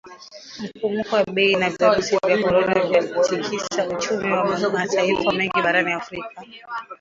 Mfumuko wa Bei na virusi vya Korona vya tikisa uchumi wa mataifa mengi barani Afrika